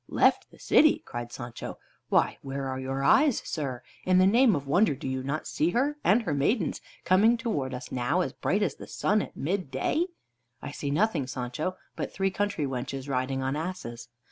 "Left the city!" cried Sancho. "Why where are your eyes, sir? In the name of wonder, do you not see her and her maidens coming towards us now, as bright as the sun at midday?" "I see nothing, Sancho, but three country wenches riding on asses."